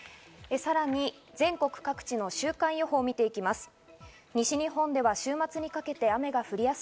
さらに全国各地の週間予報を見ていきます。